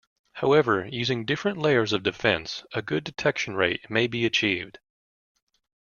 However, using different layers of defense, a good detection rate may be achieved.